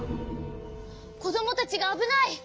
こどもたちがあぶない。